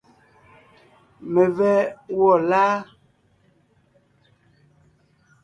Mevɛ́ gwɔ́ láa?